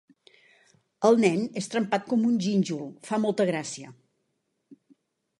El nen és trempat com un gínjol: fa molta gràcia.